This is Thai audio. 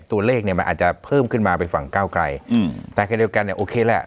ตัวเลขเนี่ยมันอาจจะเพิ่มขึ้นมาไปฝั่งก้าวไกลอืมแต่แค่เดียวกันเนี่ยโอเคแหละ